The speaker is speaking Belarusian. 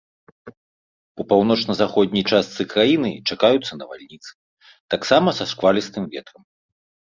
У паўночна-заходняй частцы краіны чакаюцца навальніцы, таксама са шквалістым ветрам.